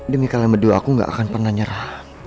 demi kalian berdua aku gak akan pernah nyerah